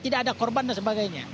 tidak ada korban dan sebagainya